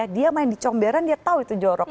dia main di comberan dia tahu itu jorok